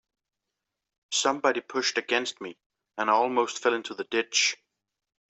Somebody pushed against me, and I almost fell into the ditch.